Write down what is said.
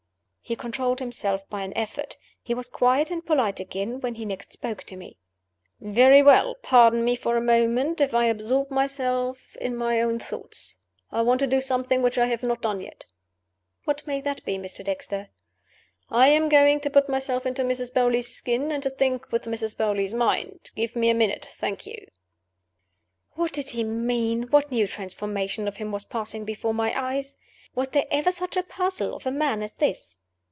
He controlled himself by an effort he was quiet and polite again when he next spoke to me. "Very well. Pardon me for a moment if I absorb myself in my own thoughts. I want to do something which I have not done yet." "What may that be, Mr. Dexter?" "I am going to put myself into Mrs. Beauly's skin, and to think with Mrs. Beauly's mind. Give me a minute. Thank you." What did he mean? what new transformation of him was passing before my eyes? Was there ever such a puzzle of a man as this?